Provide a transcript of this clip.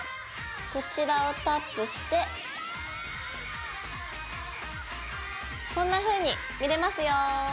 こちらをタップしてこんなふうに見れますよ。